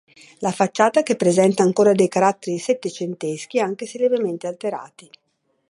La facciata che presenta ancora dei caratteri settecenteschi, anche se lievemente alterati.